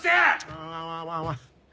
まあまあまあまあ。